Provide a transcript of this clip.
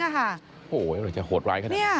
โอ้โฮจะโหดไว้กัน